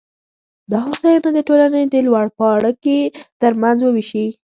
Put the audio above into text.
دا هوساینه د ټولنې د لوړپاړکي ترمنځ ووېشي.